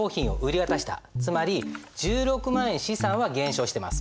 つまり１６万円資産は減少してます。